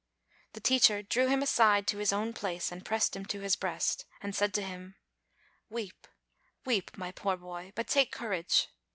The teacher drew him aside to his own place, and pressed him to his breast, and said to him : "Weep, weep, my poor boy but take courage.